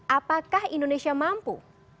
apakah indonesia mampu